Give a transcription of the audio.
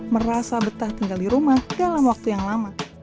merasa betah tinggal di rumah dalam waktu yang lama